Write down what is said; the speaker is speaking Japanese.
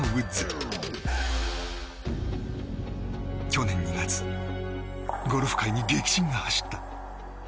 去年２月ゴルフ界に激震が走った。